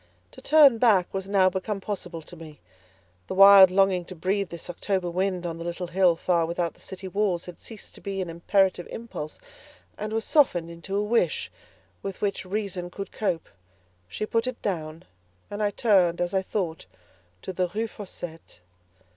To turn back was now become possible to me; the wild longing to breathe this October wind on the little hill far without the city walls had ceased to be an imperative impulse, and was softened into a wish with which Reason could cope: she put it down, and I turned, as I thought, to the Rue Fossette.